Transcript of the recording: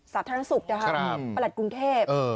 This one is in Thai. สาธารณสุขนะคะประหลัดกรุงเทพ